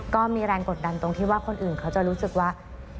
ก็มีแรงกดดันตรงที่ว่าคนอื่นเขาจะรู้สึกว่า